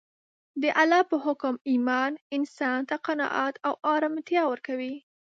د الله په حکم ایمان انسان ته قناعت او ارامتیا ورکوي